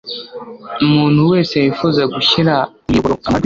umuntu wese wifuza gushyira ku miyoboro amajwi